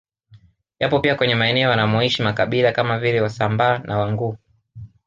Yapo pia kwenye maeneo wanamoishi makabila kama vile Wasambaa na Wanguu